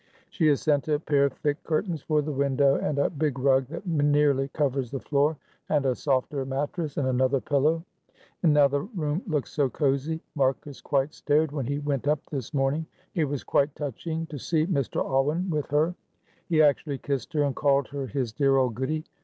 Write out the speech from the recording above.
She has sent a pair of thick curtains for the window, and a big rug that nearly covers the floor, and a softer mattress and another pillow. And now the room looks so cosy. Marcus quite stared when he went up this morning. It was quite touching to see Mr. Alwyn with her. He actually kissed her and called her his dear old 'Goody.'